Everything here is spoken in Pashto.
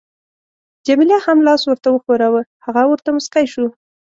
جميله هم لاس ورته وښوراوه، هغه ورته مسکی شو.